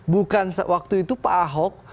bukan waktu itu pak ahok